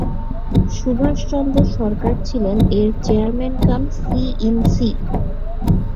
সুভাষ চন্দ্র সরকার ছিলেন এর চেয়ারম্যান-কাম-সি-ইন-সি।